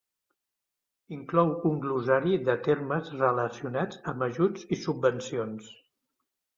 Inclou un glossari de termes relacionats amb ajuts i subvencions.